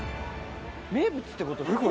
名物ってことか。